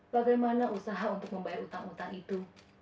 bagaimana usaha untuk membayar utang utang itu